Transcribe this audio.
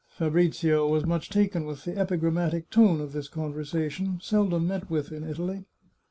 Fabrizio was much taken with the epigrammatic tone of this conversation, seldom met with in Italy.